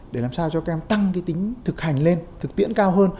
để làm sao cho các em tăng tính thực hành lên